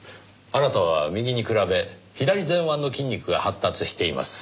あなたは右に比べ左前腕の筋肉が発達しています。